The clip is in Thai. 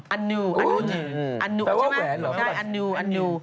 อันนือ